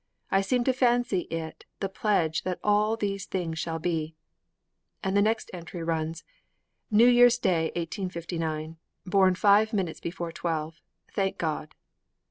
I seem to fancy it the pledge that all these things shall be.' And the next entry runs: 'New Year's Day, 1859. Born five minutes before twelve. Thank God!'